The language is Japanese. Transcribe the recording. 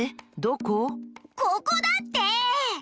ここだって！